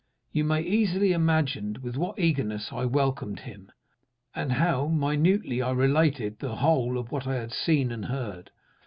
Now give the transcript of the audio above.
"You may easily imagine with what eagerness I welcomed him, and how minutely I related the whole of what I had seen and heard.